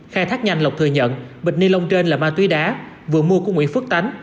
khai thác nhanh lộc thừa nhận bịch ni lông trên là ma túy đá vừa mua của nguyễn phước tánh